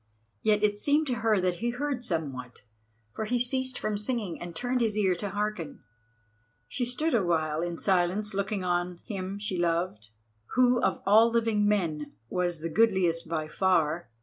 Yet it seemed to her that he heard somewhat, for he ceased from singing and turned his ear to hearken. She stood awhile in silence looking on him she loved, who of all living men was the goodliest by far.